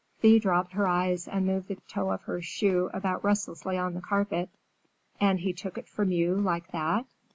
Thea dropped her eyes and moved the toe of her shoe about restlessly on the carpet. "And he took it from you, like that?"